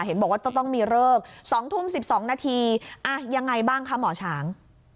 เห็นบอกว่าต้องมีเลิก๒ทุ่ม๑๒นาทียังไงบ้างคะหมอช้าง